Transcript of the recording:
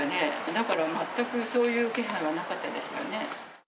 だから全くそういう気配はなかったですよね。